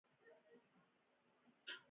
د باور جوړول د انسان هنر دی.